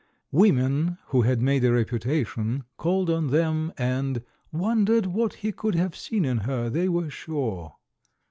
Women who had made a reputation called on them, and * 'wondered what he could have seen in her, they were sure!"